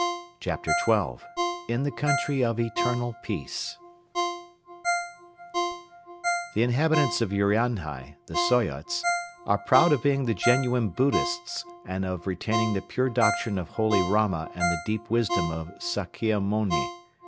CHAPTER XII IN THE COUNTRY OF ETERNAL PEACE The inhabitants of Urianhai, the Soyots, are proud of being the genuine Buddhists and of retaining the pure doctrine of holy Rama and the deep wisdom of Sakkia Mouni.